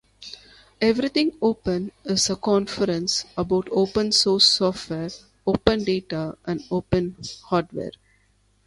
Everything Open is a conference about open source software, open data and open hardware